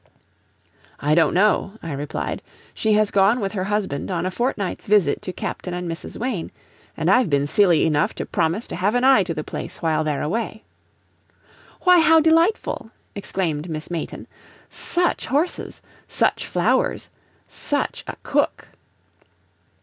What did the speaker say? "I don't know," I replied; "she has gone with her husband on a fortnight's visit to Captain and Mrs. Wayne, and I've been silly enough to promise to have an eye to the place while they're away." "Why, how delightful!" exclaimed Miss Mayton. "SUCH horses! SUCH flowers! SUCH a cook!"